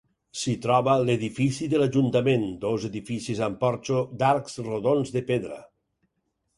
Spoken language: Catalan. S'hi troba l'edifici de l'Ajuntament dos edificis amb porxo d'arcs rodons de pedra.